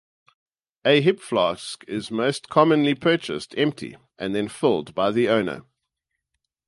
A hip flask is most commonly purchased empty and then filled by the owner.